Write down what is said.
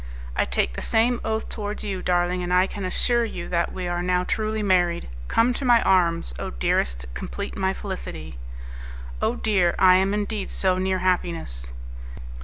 "I take the same oath towards you, darling, and I can assure you that we are now truly married. Come to my arms! Oh, dearest, complete my felicity!" "Oh, dear! am I indeed so near happiness!"